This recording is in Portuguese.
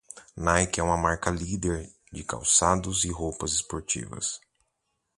Nike é uma marca líder de calçados e roupas esportivas.